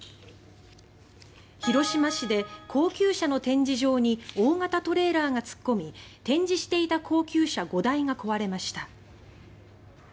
広島市で高級車の展示場に大型トレーラーが突っ込み展示していた高級車５台が壊れました。